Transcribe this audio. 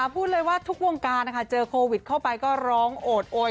พูดเลยว่าทุกวงการเจอโควิดเข้าไปก็ร้องโอดโอย